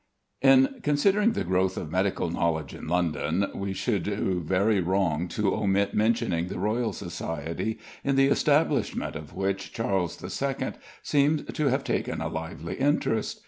In considering the growth of medical knowledge in London, we should do very wrong to omit mentioning the Royal Society, in the establishment of which Charles II. seems to have taken a lively interest.